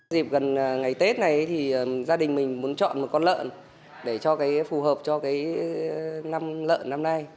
dịp gần ngày tết này thì gia đình mình muốn chọn một con lợn để phù hợp cho năm lợn năm nay